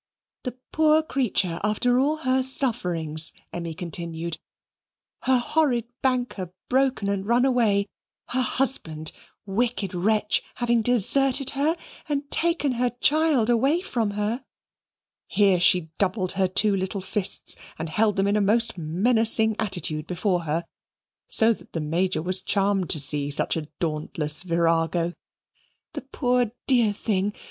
"The poor creature, after all her sufferings," Emmy continued; "her horrid banker broken and run away; her husband wicked wretch having deserted her and taken her child away from her" (here she doubled her two little fists and held them in a most menacing attitude before her, so that the Major was charmed to see such a dauntless virago) "the poor dear thing!